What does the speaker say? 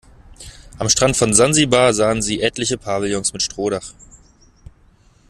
Am Strand von Sansibar sahen sie etliche Pavillons mit Strohdach.